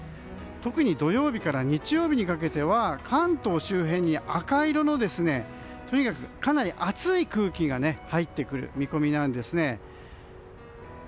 特に土曜日から日曜日にかけては関東周辺に赤色のとにかくかなり暑い空気が入ってくる見込みなんですね。